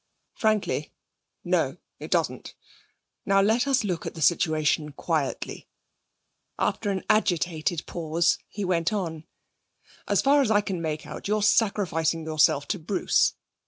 'Frankly, no; it doesn't. Now, let us look at the situation quietly.' After an agitated pause he went on: 'As far as I make out, you're sacrificing yourself to Bruce.